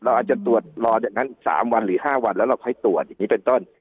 อาจจะตรวจรอจากนั้น๓วันหรือ๕วันแล้วเราค่อยตรวจอย่างนี้เป็นต้น